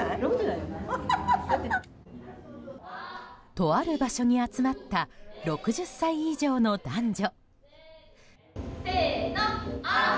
とある場所に集まった６０歳以上の男女。